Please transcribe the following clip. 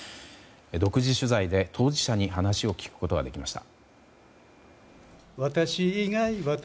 独自取材で当事者に話を聞くことができました。